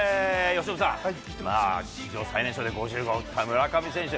由伸さん、まあ、史上最年少で５０号打った村上選手。